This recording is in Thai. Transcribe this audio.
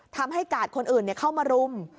กาดคนอื่นเข้ามารุม